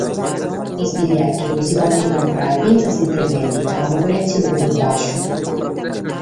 Sos billetes si podent comporare finas in prebèndida a unu prètziu prus bassu.